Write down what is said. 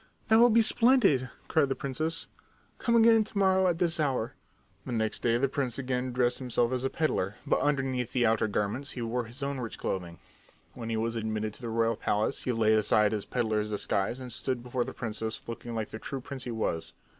"That will be splendid!" cried the princess. "Come again to morrow at this hour." The next day the prince again dressed himself as a peddler, but underneath the outer garments he wore his own rich clothing. When he was admitted to the royal palace he laid aside his peddler's disguise and stood before the princess looking like the true prince he was.